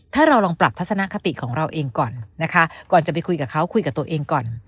ถ้าเราลองปรับทัศนคติของเราเองก่อนนะคะก่อนจะไปคุยกับเขาคุยกับตัวเองก่อน